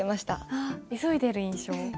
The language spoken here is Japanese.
あっ急いでる印象？